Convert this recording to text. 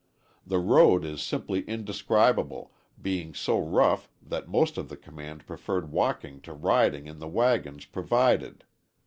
The road is simply indescribable, being so rough that most of the command preferred walking to riding in the wagons provided.